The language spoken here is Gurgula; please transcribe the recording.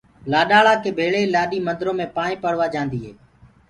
لآڏآݪا ڪي ڀيݪي لآڏي مندرو مي پائينٚ پڙوآ جآندي هي۔